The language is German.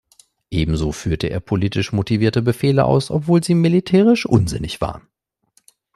Ebenso führte er politisch motivierte Befehle aus, obwohl sie militärisch unsinnig waren.